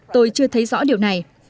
tôi chưa thấy rõ điều này